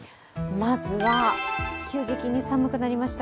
まずは、急激に寒くなりました